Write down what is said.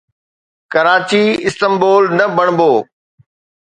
Karachi Istanbul نه بڻيو